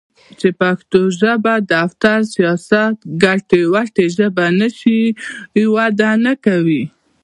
چې پښتو ژبه د دفتر٬ سياست او ګټې وټې ژبه نشي؛ وده نکوي.